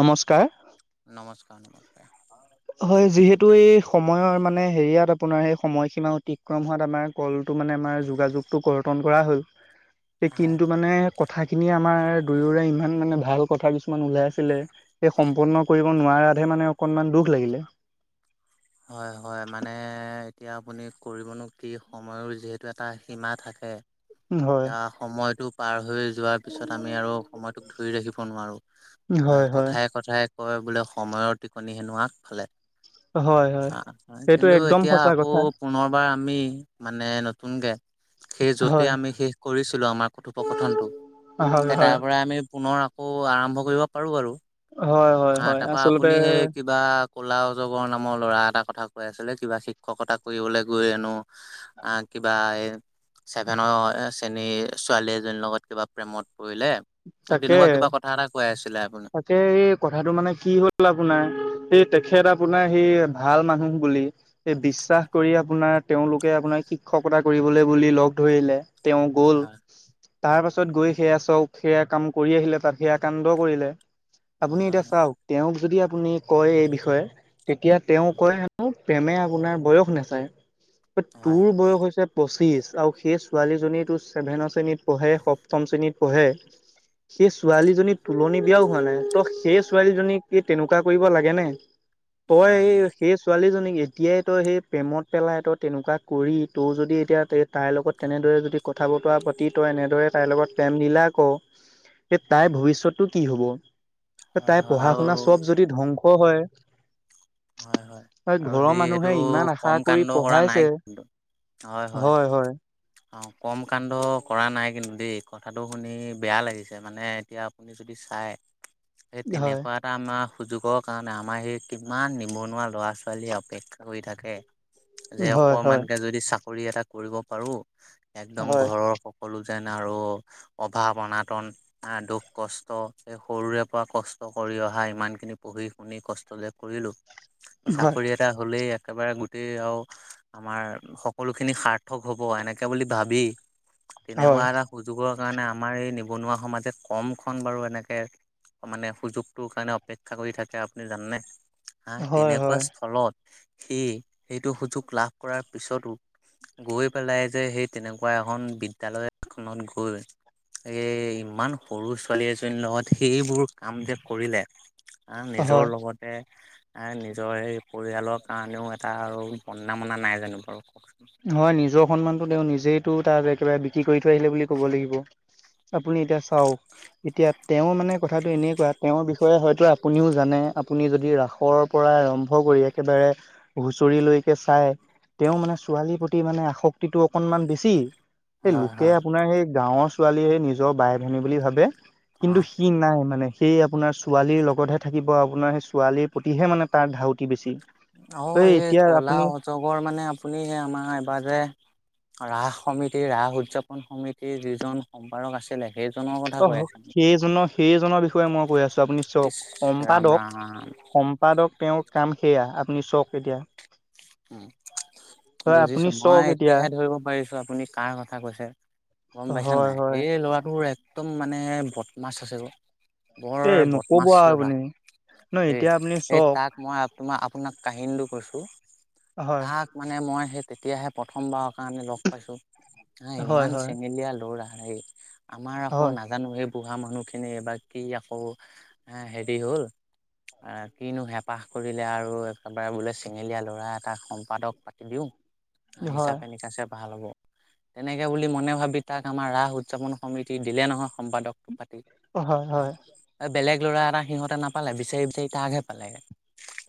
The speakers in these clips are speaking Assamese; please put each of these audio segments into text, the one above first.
[inaudible] নমস্কাৰ। নমস্কাৰ-নমস্কাৰ। [unintelligible] হয়, যিহেতু এই সময়ৰ মানে হেৰিয়াত আপোনাৰ সেই সময়সীমা অতিক্ৰম হোৱাত আমাৰ [inaudible] কলটো মানে আমাৰ যোগাযোগটো কৰ্তন কৰা হ'ল। [inaudible] [inaudible] [unintelligible] কিন্তু মানে কথাখিনি আমাৰ দুয়োৰে ইমান মানে ভাল কথা কিছুমান ওলাই আছিলে। [inaudible] সেই সম্পূৰ্ণ কৰিব নোৱাৰাতহে মানে অকনমান দুখ লাগিলে। [inaudible] হয়-হয়। মানে এতিয়া আপুনি কৰিবনো কি সময়ৰো যিহেতু এটা সীমা থাকে। [inaudible] হয় এতিয়া সময়টোক [inaudible] পাৰ হৈ যোৱাৰ পিছত আমি আৰু সময়টোক ধৰি ৰাখিব নোৱাৰোঁ। হয় [inaudible] হয় কথাই-কথাই কয় বোলে সময়ৰ টিকনি হেনো আগফালে। [inaudible] হয় হয় [inaudible] সেইটো কিন্তু একদম এতিয়া সঁচা আকৌ কথা পুনৰবাৰ আমি মানে নতুনকে সেই য'তে হয় আমি শেষ কৰিছিলো আমাৰ কথোপকথনটো। হয় সেই হয় তাৰ পৰা আমি পুনৰ আ [inaudible] আকৌ আৰম্ভ কৰিব পাৰো আৰু। হয় হয় [inaudible] হয় তাৰপৰা আচলতে আপুনি সেই কিবা ক'লা অজগৰ নামৰ ল'ৰা এটাৰ কথা কৈ আছিলে কিবা শিক্ষকতা কৰিবলৈ গৈ হেনো [inaudible] আহ কিবা এই [inaudible] ছেভেনৰ শ্ৰেণীৰ ছোৱালী এজনীৰ লগত কিবা প্ৰেমত পৰিলে। [inaudible] তাকে তেনেকুৱা কিবা কথা এটা কৈ আছিলে আপুনি। [inaudible] [unintelligible] এই কথাটো মানে কি হ'ল আপোনাৰ এই তেখেত আপোনাৰ সেই ভাল মানুহ বুলি [inaudible] এই বিশ্বাস কৰি আপোনাৰ তেওঁলোকে আপোনাক শিক্ষকতা কৰিবলৈ বুলি লগ ধৰিলে। [inaudible] তেওঁ গ'ল। হয় তাৰ পাছত গৈ সেইয়া চ‌ওক [inaudible] সেয়া কাম কৰি আহিলে তাত সেয়া কাণ্ড কৰিলে। আপুনি এতিয়া চাওক [unintelligible] তেওঁক যদি আপুনি কয় এই বিষয়ে [inaudible] তেতিয়া তেওঁ কয় আকৌ প্ৰেমে আপোনাৰ বয়স নেচায়। [inaudible] হয় তোৰ বয়স হৈছে পঁচিছ আৰু সেই ছোৱালীজনী তোৰ ছেভেনৰ শ্ৰেণীত [inaudible] পঢ়ে। সপ্তম শ্ৰেণীত পঢ়ে সেই ছোৱালীজনীত [inaudible] তুলনি বিয়াও হোৱা নাই ত' সেই ছোৱালীজনীক কি তেনেকুৱা কৰিব লাগে নে? [inaudible] তই হয় হয় হয় এই সেই ছোৱালীজনীক এ [inaudible] এতিয়াই তই সেই প্ৰেমত পেলাই তই তেনেকুৱা কৰি তোৰ যদি এতিয়া তাইৰ লগত তেনেদৰে যদি [inaudible] কথা বতৰা পাতি তই এনেদৰে তাইৰ লগত প্ৰেম মিলা কৰ [inaudible] এ তাইৰ ভৱিষ্যতটো কি হব? তাইৰ আৰু পঢ়া-শুনা চব যদি ধ্বং [inaudible] [inaudible] হয়। হয় হয় তাইৰ আৰু ঘৰৰ সেই সেইটো মানুহে ইমান আশা কম কৰি কাণ্ড কৰা নাই পঢ়াইছে। কিন্তু [unintelligible] হয়-হয়। [inaudible] অঁ! কম কাণ্ড কৰা নাই কিন্তু দেই কথাটো শুনি বেয়া লাগিছে। মানে এতিয়া আপুনি [unintelligible] যদি চাই সেই হয় তেনেকুৱা এটা আমাৰ সুযোগৰ কাৰণে আমাৰ সেই [inaudible] ইমান নিবনুৱা লৰা-ছোৱালীয়ে অপেক্ষা কৰি থাকে যে হয় হয় অকমানকে যদি চা [unintelligible] চাকৰি এটা কৰিব পাৰোঁ। একদম হয় হয় ঘৰৰ সকলো যেন আৰু [inaudible] অভাৱ, অনাটন [inaudible] আ, দুখ কষ্ট, এই সৰুৰে পৰা কষ্ট কৰি অহা ইমান খিনিপঢ়ি শুনি কষ্ট যে কৰিলোঁ, চাকৰি এটা হ'লেই একেবাৰে গোটেই আৰু আমাৰ সকলোখিনি সাৰ্থক হ'ব এনেকে বুলি ভাবি হয় তেনেকুৱা এটা সুযোগৰ কাৰণে আমাৰ এই নিবনুৱা সমাজে কমখন বাৰু এনেকে মানে সুযোগটোৰ কাৰণে অপেক্ষা কৰি থাকে আপুনি জানেনে? হা, হয় তেনেকুৱা হয় স্থলত সি সেইটো সুযোগ লাভ কৰাৰ পিছতো গৈ পেলাই যে সেই তেনেকুৱা এখন বিদ্যালয়খনত গৈ এই ইমান সৰু ছোৱালী এজনীৰ লগত সেইবোৰ কাম যে কৰিলে আ, হয় নিজৰ লগতে এ, নিজৰ এই পৰিয়ালৰ কাৰণেও এটা আৰু বদনাম অনা নাই জানো বাৰু কওকচোন? হয় নিজৰ সন্মানটো তেওঁ নিজেইটো তাত একেবাৰে বিক্ৰী কৰি থৈ আহিলে বুলি ক'ব লাগিব। আপুনি এতিয়া চাওক এতিয়া তেওঁ মানে কথাটো এনেকুৱা, তেওঁৰ বিষয়ে হয়তো আপুনিও জানে আপুনি যদি ৰাসৰ পৰা আৰম্ভ কৰি একেবাৰে হুচৰিলৈকে চাই, তেওঁ মানে ছোৱালীৰ প্ৰতি মানে আসক্তিটো অকনমান বেছি, সেই হয় লোকে হয় আপোনাৰ সেই গাঁৱৰ ছোৱালীয়ে নিজৰ বাই ভনী বুলি ভাবে কিন্তু অ সি নাই মানে সি আপোনাৰ ছোৱালীৰ লগতহে থাকিব আপোনাৰ, সেই ছোৱালীৰ প্ৰতিহে মানে তাৰ ধাউতি বেছি। অ' এই এতিয়া কলা আপুনি অজগৰ মানে আপুনি সেই আমাৰ এবাৰ যে ৰাস সমিতিৰ, ৰাস উদযাপন সমিতিৰ যিজন সম্পাদক আছিলে সেইজনৰ কথা কৈ [unintelligible] আছে। সেইজনৰ সেইজনৰ বিষয়ে মই কৈ আছোঁ, আপুনি ইচ চক ৰাম সম্পাদক ৰাম সম পাদক তেওঁৰ কাম সেয়া, আপুনি চাওক এতিয়া। উ, হয় আপুনি বুজিছোঁ। মই চাওক এতিয়া এতিয়াহে ধৰিব পাৰিছোঁ আপুনি কাৰ কথা কৈছে। গম পাইছা হয় নাই, হয় এই ল'ৰাটোৰ একদম মানে বদমাছ হৈছে [unintelligible] বৰ এ নকব বদমাছ আৰু ল'ৰা আপুনি ন দে, এতিয়া আপুনি সেই চাওক তাক মই আপোনা-আপোনাক কাহিনীটো কৈছোঁ। হয় তাক মানে মই সেই তেতিয়াহে প্ৰথমবাৰৰ কাৰণে লগ পাইছোঁ। হা, হয় ইমান হয় চেঙেলীয়া ল'ৰা হে, আমাৰ আকৌ হয় না জানো সেই বুঢ়া মানুহখিনি বা কি আকৌ এ, হেৰি হ'ল কিনো হেঁপাহ কৰিলে আৰু একেবাৰে বোলে চেঙেলীয়া ল'ৰা। তাক সম্পাদক পাতি দিওঁ, হয় হিচাপে নিকাচে ভাল হ'ব। তেনেকে বুলি মনে ভাবি তাক আমাৰ ৰাস উদযাপন সমিতি দিলে নহয় সম্পাদকটো পাতি। হয় হয়। বেলেগ ল'ৰা এটা সিহঁতে নাপালে, বিচাৰি বিচাৰি তাকহে পালে।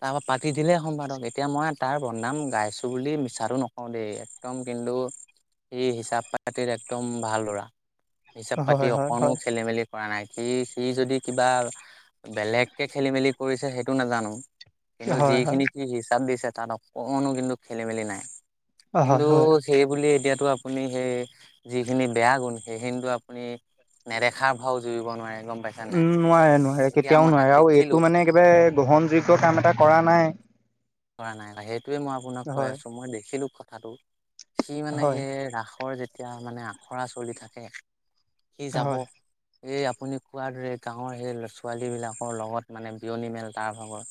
তাৰপৰা পাতি দিলে সম্পাদক, এতিয়া মই তাৰ বদনাম গাইছোঁ বুলি মিছাটো নকওঁ দেই, একদম কিন্তু ই হিচাপ পাতিৰ একদম ভাল ল'ৰা, হিচাপ পাতি হয় হয় অকনো খেলি মেলি কৰা নাই, সি সি যদি কিবা বেলেগকে খেলি মেলি কৰিছে সেইটো নাজানো। কিন্তু হয় যিখিনি হয় সি হিচাপ দিছে তাত অকণো কিন্তু খেলি মেলি নাই হয় কিন্তু হয় সেইবুলি এতিয়াতো আপুনি সেই যিখিনি বেয়া গুণ সেইখিনিতো আপুনি নেদেখাৰ ভাও জুৰিব নোৱাৰে গম পাইছা নাই, উম এতিয়া মই তাক দেখিলো গে, গ্ৰহণযোগ্য কাম এটা কৰা নাই। কৰা নাই। সেইটোৱে মই আপোনাক কৈ হয় আছোঁ, মই দেখিলোঁ কথাটো। সি মানে হয় সেই ৰাসৰ যেতিয়া মানে আখৰা চলি থাকে সি যাব। হয় এই আপুনি কোৱাৰ দৰে গাঁৱৰ সেই ছোৱালী বিলাকৰ লগত মানে বিয়নী মেল তাৰ ভাগৰ।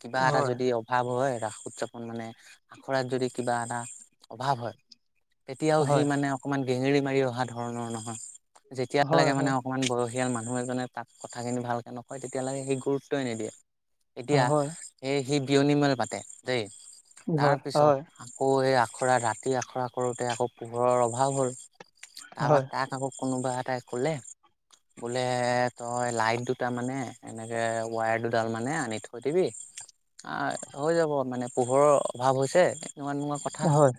কিবা হয় এটা হয় যদি অভাৱ হয় ৰাস উদযাপন মানে আখৰাত যদি কিবা এটা অভাৱ হয় তেতিয়াও সি হয় মানে অকমান গেঙেৰি মাৰি অহা ধৰণৰ নহয় যেতিয়া হয় হয় লেগে মানে ইমান বয়সীয়াল মানুহ এজনে তাক কথাখিনি ভালকে নকয় তেতিয়ালৈকে সি গুৰুত্বই নিদিয়ে। এতিয়া হয় সেই সি বিয়নী মেল পাতে দেই তাৰ হয় পিছত আকৌ সেই আখৰা ৰাতি আখৰা কৰোঁতে আকৌ পোহৰৰ অভাৱ হ'ল তাৰপৰা হয় তাক আকৌ কোনোবা এটাই ক'লে বোলে তই লাইট দুটা মানে এনেকে ৱায়াৰ দুডাল মানে আনি থৈ দিবি আহ হৈ যাব মানে পোহৰৰ অভাৱ হৈছে এনেকুৱা এনেকুৱা কথা। হয়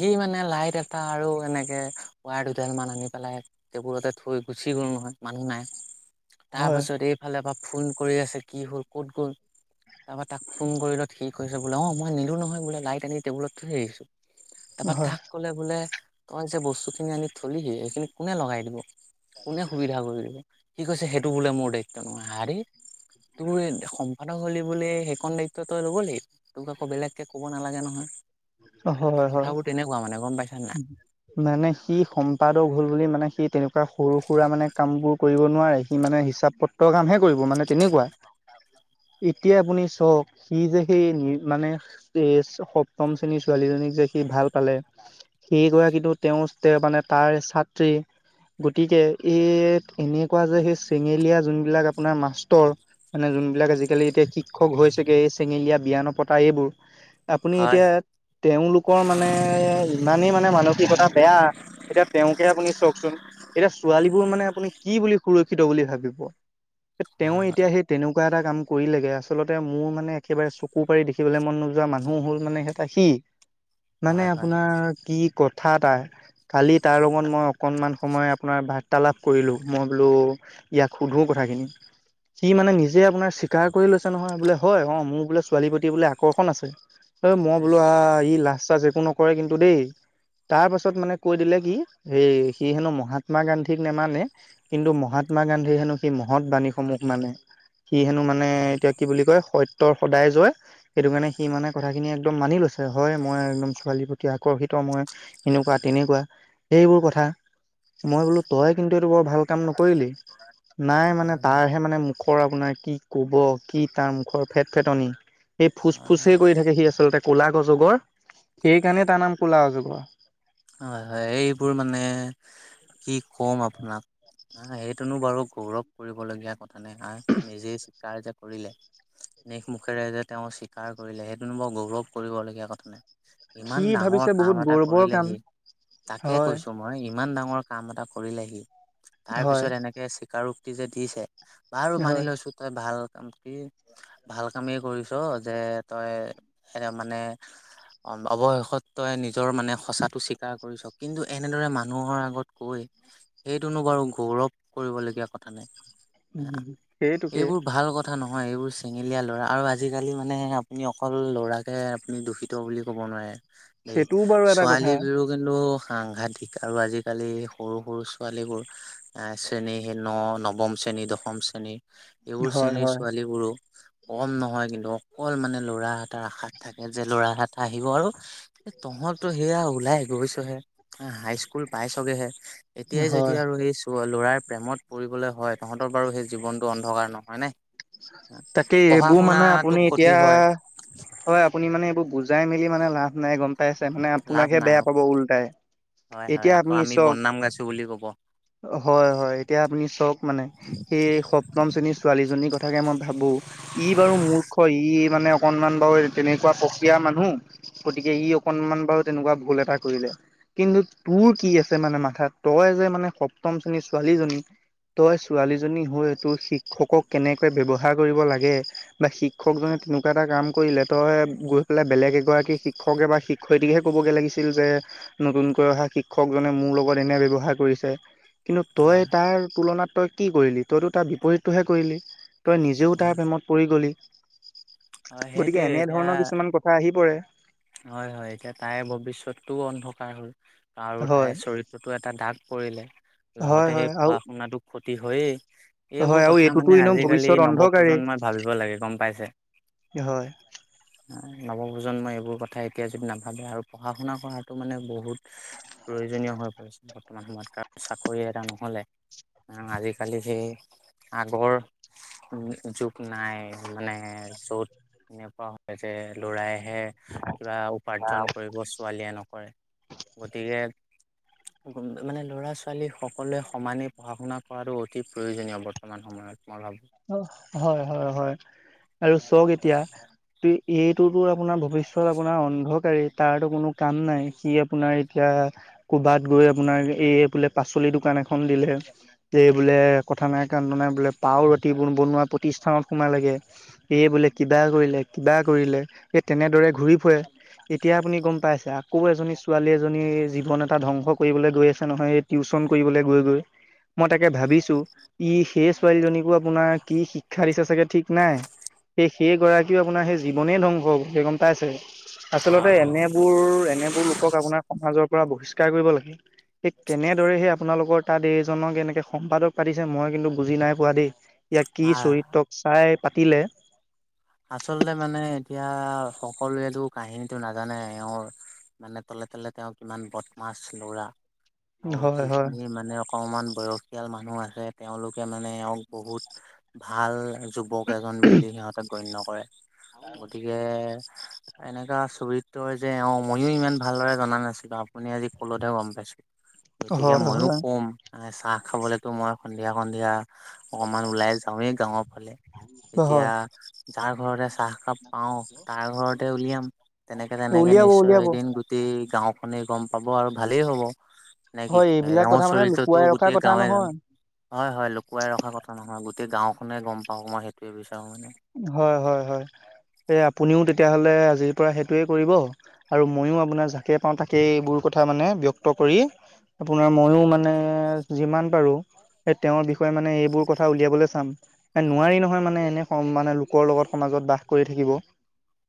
সেই মানে লাইট এটা আৰু এনেকে ৱায়াৰ দুডাল মান আনি পেলাই টেবোলতে থৈ গুচি গ'ল নহয় মানুহ নাই। তাৰ হয়, পাছত এইফালে পৰা ফোন কৰি আছে কি হ'ল ক'ত গ'ল তাৰ পৰা তাক ফোন কৰিল'ত সি কৈছে বোলে অঁ মই নিলো নহয় বোলে লাইট আনি টেবুলত থৈ আহিছো। তাৰপা হয়, তাক কলে বোলে তই যে বস্তু খিনি আনি থলিহি এইখিনি কোনে লগাই দিব। কোনে সুবিধা কৰিব দিব, সি কৈছে সেইটো বোলে মোৰ দায়িত্ব নহয়। আৰে তোৰ এই সম্পাদক হ'লে হলে বুলি সেইকন দায়িত্ব তই ল'ব লাগে, তোক আকৌ বেলেগকে ক'ব নালাগে নহয়। হয়, হয়। কথাবোৰ তেনেকুৱা মানে গম পাইছা নে নাই? মানে সি সম্পাদক হ'ল বুলি মানে সি তেনেকুৱা সৰু সুৰা মানে কাম বোৰ কৰিব নোৱাৰে সি মানে হিচাপ পত্ৰৰ কামহে কৰিব মানে তেনেকুৱা। এতিয়া আপুনি চক সি যে সেই মানে [unintelligible] কম শ্ৰেণীৰ ছোৱালীজনীক যে সি ভাল পালে সেই গৰাকীতো তেওঁৰ মানে মানে তাৰ ছাত্ৰী গতিকে এই এনেকুৱা যে সেই চেঙেলীয়া জোনবিলাক আপোনাৰ মাষ্টৰ মানে যোনবিলাক আজিকালি এতিয়া শিক্ষক হৈছেগে এই চেঙেলীয়া বিয়া ন পতা এইবোৰ আৰু হয়। এতিয়া তেওঁলোকৰ মানে ইমানেই মানে মানসিকতা বেয়া এতিয়া তেওঁকে আপুনি চাওকচোন। এতিয়া ছোৱালীবোৰ মানে আপুনি কি বুলি সুৰক্ষিত বুলি ভাবিব, তেওঁ হয়, এতিয়া হয়, সেই তেনেকুৱা এটা কাম কৰিলেগে আচলতে মোৰ মানে একেবাৰে চকু পাৰি দেখিবলৈ মন নোযোৱা মানুহ হ'ল মানে সেটা সি মানে হয়, হয়। আপোনাৰ কি কত কথা এটা‌ কালি তাৰ লগত মই অকণমান সময় আপোনাৰ বা বাৰ্তালাপ কৰিলোঁ মই বলো ইয়াক সোধোঁ কথাখিনি। সি মানে নিজে আপোনাৰ স্বীকাৰ কৰি লৈছে, অঁ' বোলে হয় অঁ মোৰ বোলে ছোৱালীৰ প্ৰতি বোলে আকৰ্ষণ আছে। ঐ মই বোলো ইচ। আহ ই লাজ চাজ একো নকৰে কিন্তু দেই। তাৰ পাছত মানে কৈ দিলে কি এই সি হেনো মহাত্মা গান্ধীক নেমানে। কিন্তু মহাত্মা গান্ধী হেনো সি মহৎ বাণীসমূহক মানে সি হেনো মানে মানে হয়, এতিয়া কি বুলি কয় সত্যৰ সদায় জয়, সেইটো কাৰণে সি মানে কথাখিনি একদম মানি লৈছে, হয় মই একদম ছোৱালীৰ প্ৰতি আকৰ্ষিত মই এনেকুৱা তেনেকুৱা। এইবোৰ কথা। মই বোলো তই কিন্তু এইটো বৰ ভাল কাম নকৰিলি। নাই মানে হয়, হয়, তাৰহে মানে মুখৰ আপোনাৰ কি কব কি তাৰ মুখৰ ফেট ফেটনি এই ফুচ হয়, হয়, ফুচেই কৰি থাকে সি আচলতে কলা অজগজ সেইকাৰণে তাৰ নাম কলা অজগৰ। হয় হয় এইবোৰ মানে। কি কম আপোনাক হা সেইটোনো বাৰু গৌৰৱ কৰিবলগীয়া কথা মানে আৰ নিজে চিকাৰ যে কৰিলে নিজ মুখেৰে যে তেওঁ স্বীকাৰ কৰিলে সেইটোনো বৰ গৌৰৱ কৰিবলগীয়া কথা নে সি ইমান ডাঙৰ ভাবিছে বহুত কাম এটা গৌৰৱৰ কৰিলে কাম সি তাকে হয় কৈছো মই ইমান ডাঙৰ কাম এটা কৰিলে সি তাৰ হয় পিছত এনেক কে স্বীকাৰোক্তি যে দিছে বাৰু মানি হয়। লৈছো তাই ভাল কাম কি ভাল কামেই কৰিছ যে তই এ মানে অৱ অৱশেষত তই নিজৰ মানে সঁচাটো স্বীক কাৰ কৰিছ কিন্তু এনেদৰে মানুহৰ আগত কৈ এইটোনো বাৰু গৌৰৱ কৰিবলগীয়া কথা নে হা উম সেইটোকে এইবোৰ ভাল কথ কথা নহয় এইবোৰ চেঙেলীয়া লৰা আৰু আজিকালি মানে আপুনি অকল লৰাকে আপুনি দোষী ত বুলি ক'ব নোৱাৰে দেই সেইটোও বাৰু এটা কথা ছোৱালী টো কিন্তু সাংঘাতিক আৰু আজিকালি সৰু সৰু ছোৱালীবোৰ এ শ্ৰেণী ন নৱম শ্ৰেণী দশম শ্ৰেণী এইবোৰ হয় শ্ৰেণীৰ হয় ছোৱালীবোৰো কম নহয় কিন্তু অ অকল মানে লৰা এটাৰ আশাত থাকে যে ল'ৰা এটা আহিব আৰু এ তহঁতো সেয়া উ ওলাই গৈছেহে হাই স্কুল পাইছগৈহে এতিয়াই যেতিয়া হয়। আৰু এই লৰাৰ প্ৰেমত পৰিবলে হয় তহঁতৰ বাৰু সেই জীৱনটো অন্ধকাৰ নহয়নে? তাকেই এইবোৰ মানে আপুনি ক্ষতি এতিয়া হয় হয় আপুনি মানে এইবোৰ বুজাই মেলি মানে লাভ নাই গম পাই আছে মানে লাভ আপোনাকহে নাই বেয়া অ পাব ওল্টাই হয় হয় এতিয়া আকৌ আপুনি আমি চাওক বদনাম গাইছো বুলি কব হয় হয় এতিয়া আপুনি চাওক মানে সেই সপ্তম শ্ৰেণীৰ ছোৱালীজনীৰ ক তাকে মই ভাবো ই বাৰু মূৰ্খ ই মানে অকনমান বাৰু তেনেকুৱা প্ৰক্ৰিয়াৰ মানুহ গতিকে ই অকনমান বাৰু তেনেকুৱা ভুল এটা কৰিলে কিন্তু তোৰ কি আছে মানে মাথাত তই যে মানে সপ্তম শ্ৰেণীৰ ছোৱালীজনী তই ছোৱালীজনী হৈ তোৰ শিক্ষকক কেনেকৈ ব্যৱহাৰ কৰিব লাগে বা শিক্ষকজনে তেনেকুৱা এটা কাম কৰিলে তই গৈ পেলাই বেলেগ এগৰাকী শিক্ষকে বা শিক্ শিক্ষয়ত্ৰীকে ক'বগে লাগিছিল যে নতুনকৈ অহা শিক্ষকজনে মোৰ লগত এনে ব্যৱহাৰ কৰিছে। কিন্তু তই হয় তাৰ তুলনাত তই কি কৰিলি তইতো তাৰ বিপৰীতটোহে কৰিলি। তই নিজেও তাৰ হয় প্ৰেমত পৰি গ'লি হয় গতিকে সেইটোয়ে এতিয়া এনেধৰণৰ কিছুমান কথা আহি পৰে। হয় হয় এতিয়া তাইৰ ভৱিষ্যতটোও অন্ধকাৰ হল আৰু হয়। তাইৰ চৰিত্ তটো এটা দাগ পৰিলে হয় লগতে সেই হয় আৰু পঢ়া শুনাটো ক্ষতি হয় য়েই হয় এইবোৰ আৰু কথা এইটোতো মানে এনেও আজিকালি ভৱিষ্যত অন্ধকাৰেই নৱপ্ৰজন্মই ভাবিব লাগে গম পাইছে? হয়। উম নৱপ্ৰজন্মই এইবোৰ কথা এতিয়া যদি নাভাবে আৰু পঢ়া শুনা কৰাটো মানে বহুত প্ৰয়োজনীয় হৈ পৰিছে বৰ্তমান সময়ত কাৰণ চাকৰি এটা নহলে আজিকালি সেই আগৰ উ যুগ নাই মানে য'ত এনেকুৱা হয় যে লৰাইহে কিবা উপাৰ্জন কৰিব ছোৱালীয়ে নকৰে গতিকে গোমদে মানে ল'ৰা ছোৱালী সকলোৱে সমানেই পঢ়া শুনা কৰাটো অতি প্ৰয়োজনীয় বৰ্তমান সময়ত মই ভাব অ হয় হয় হয় আৰু চ'ক এতিয়া এইটোতো আপোনাৰ ভৱিষ্যয়ত আপোনাৰ অন্ধকাৰে তাৰো কোনো কাম নাই সি আপোনাৰ এট এতিয়া ক'বাত গৈ আপোনাৰ এই বোলে পাচলি দোকান এখন দিলে এই বোলে কথা নাই কান নাই বোলে পাও ৰাতি বনোৱা প্ৰতিষ্ঠানত সোমাই লাগে। এই বোলে কিবা কৰিলে কিবা কৰিলে এই তেনেদৰে ঘূৰি ফুৰে। এতিয়া আপুনি গম পাইছে আকৌ এজনী ছোৱালী এজনী জীৱন এটা ধ্বংস কৰিবলৈ গৈ আছে নহয় এই। টিউচন কৰিবলৈ গৈ গৈ মই তাকে ভাবিছো ই সেই ছোৱালীজনীকো। আপোনাৰ কি শিক্ষা দিছে চাগে ঠিক নাই। সেই সেই গৰাকীও আপোনাৰ সেই জীৱনে ধ্বংস বুলি সেই গম পাইছে। হয় আচলতে হয়। এনেবোৰ এনেবোৰ লোকক আপোনাৰ সমাজৰ পৰা বহিষ্কাৰ কৰিব লাগে। সেই কেনেদৰে সেই আপোনালোকৰ তাত এইজনক এনেকৈ সম্পাদক পাতিছে মই কিন্তু বুজি নাই পোৱা দেই। ইয়াক কি আহ চৰিত্ৰক চাই পাতিলে। আচলতে মানে এতিয়া সকলোৱেতো কাহিনীটো নাজানে এওঁৰ। মানে তলে তলে তেওঁ কিমান বদমাছ লৰা আৰু হয় হয় যিখিনি মানে। অকমান বয়সীয়াল মানুহ আছে তেওঁলোকে মানে এক বহুত ভাল। যুৱক এজন বুলি সিহঁতেক গণ্য কৰে গতিকে। এনেকুৱকা চৰিত্ৰই যে অ ময়ো ইমান ভালদৰে জনা নাছিলো আপুনি আজি কলতে গম পাইছো। গতিকে হয় ময়ো হয় ক'ম চাহ মানে খাবলেতো মই সন্ধিয়া সন্ধিয়া। অকমান ওলাই যাওঁৱেই গাঁওৰ ফালে হয় তেতিয়া। যাৰ ঘৰতে চাহ খাপ পাও তাৰ ঘৰতে উলিয়াম তেনেকে তেনেকে উলিয়াব নিশ্চয় উলিয়াব এদিন। গোটেই গাওখনে গম পাব আৰু ভালেই হ'ব। নে কি হয় এইবিলাক কথা কঙৰ মানে চৰিত্ৰটো লুকুৱাই ৰখা গোটেই কথা গাঁৱে জানো। নহয় হয় হয় লুকুৱাই ৰখা কথা নহয় গোটেই গাঁওখনে গম পাওঁ মই সেইটোৱে বিচাৰোঁ মানে। হয় হয় হয় এই আপুনিও তেতিয়াহ'লে আজিৰ পৰা সেইটোৱে কৰিব। আৰু ময়ো আপোনাৰ যাকে পাওঁ তাকেইবোৰ কথা মানে ব্যক্ত কৰি। আপোনাৰ ময়ো মানে যিমান পাৰো। তেওঁৰ বিষয়ে মানে এইবোৰ কথা উলিয়াবলৈ চাম নোৱাৰি নহয় মানে এনে। মানে লোকৰ লগত সমাজত বাস কৰি থাকিব।